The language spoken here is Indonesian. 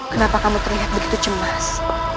kenapa kamu terlihat begitu cemas